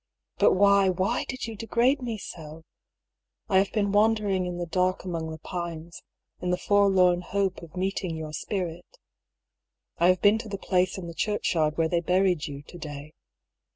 But why, why did you degrade me so ? I have been wandering in the dark among the pines, in the forlorn hope of meeting your spirit. I have been to the place in the churchyard where they buried you, to day.